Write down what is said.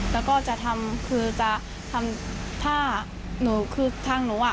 แล้วก็จะทำคือจะทำถ้าหนูคือทางหนูอ่ะ